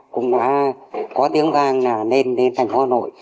cũng đã có tiếng vang là nên đến thành hồ nội